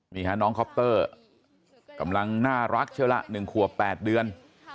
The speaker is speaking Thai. นี่ฮะน้องคอปเตอร์กำลังน่ารักเชียวละ๑ขวบ๘เดือน